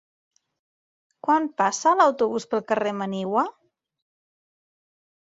Quan passa l'autobús pel carrer Manigua?